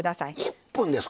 １分ですか。